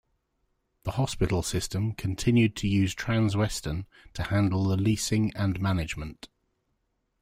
The hospital system continued to use Transwestern to handle the leasing and management.